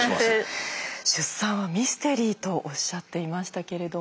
出産はミステリーとおっしゃっていましたけれども。